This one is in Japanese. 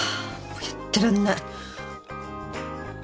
もうやってらんない。